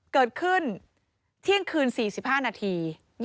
เกิดขึ้นเที่ยงคืน๔๕นาที